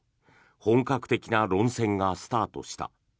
本格的な論戦がスタートした。